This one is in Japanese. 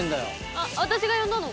「あっ私が呼んだの」